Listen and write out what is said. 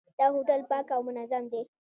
دا هوټل پاک او منظم دی.